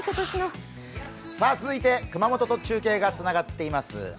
続いて熊本と中継がつながっています。